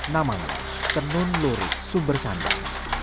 namanya tenun lurik sumber sandang